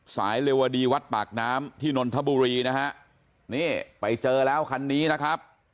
เลวดีวัดปากน้ำที่นนทบุรีนะฮะนี่ไปเจอแล้วคันนี้นะครับ